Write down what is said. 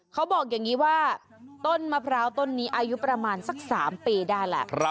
เขาบอกอย่างนี้ว่าต้นมะพร้าวต้นนี้อายุประมาณสัก๓ปีได้แหละ